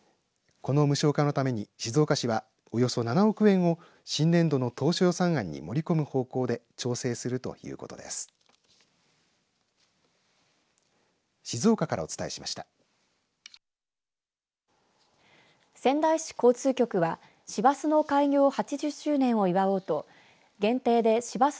この無償化のために静岡市は、およそ７億円を新年度の当初予算案に盛り込む方向で調整するということです。